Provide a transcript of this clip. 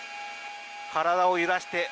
体を揺らして。